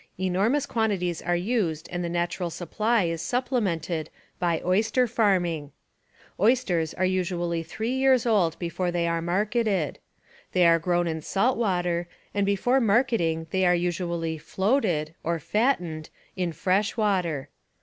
Enormous quantities are used and the natural supply is supplemented by "oyster farming." Oysters are usually three years old before they are marketed. They are grown in salt water, and before marketing they are usually "floated," or fattened, in fresh water.